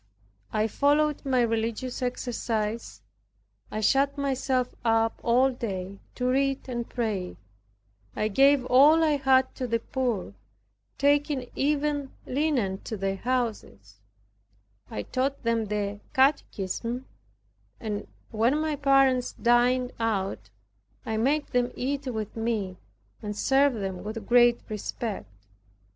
I followed my religious exercises. I shut myself up all day to read and pray. I gave all I had to the poor taking even linen to their houses. I taught them the catechism and when my parents dined out I made them eat with me and served them with great respect.